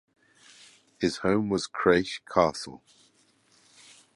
His home was Creich Castle.